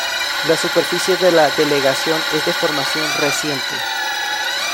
La superficie de la delegación es de formación reciente.